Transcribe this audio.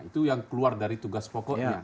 itu yang keluar dari tugas pokoknya